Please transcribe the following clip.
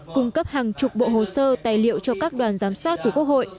cung cấp hàng chục bộ hồ sơ tài liệu cho các đoàn giám sát của quốc hội